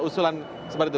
usulan seperti itu